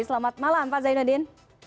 selamat malam pak zainuddin